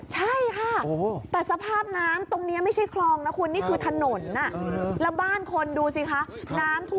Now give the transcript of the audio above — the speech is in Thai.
ใช่ค่ะแต่สภาพน้ำตรงนี้ไม่ใช่คลองนะคุณ